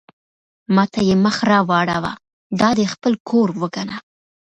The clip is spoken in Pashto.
ما ته یې مخ را واړاوه: دا دې خپل کور وګڼه.